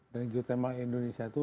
dan geothermal indonesia itu